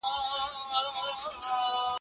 پوري زهر د خپل ښکار د غوښو خوند سو